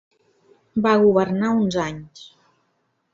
Va governar uns anys.